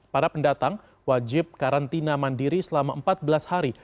para pendatang wajib karantina mandiri selama empat belas hari